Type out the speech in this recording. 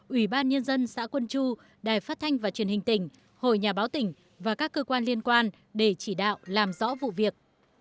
ủy ban nhân dân xã quân chu đài phát thanh và truyền hình tỉnh hội nhà báo tỉnh và các cơ quan liên quan để chỉ đạo làm rõ vụ việc